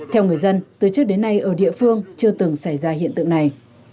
theo người dân từ trước đến nay ở địa phương chưa từng xảy ra hiện tượng này